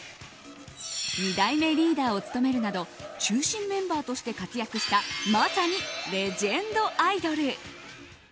２代目リーダーを務めるなど中心メンバーとして活躍したまさにレジェンドアイドル。